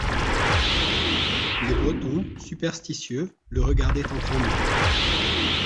Les Bretons, superstitieux, le regardaient en tremblant.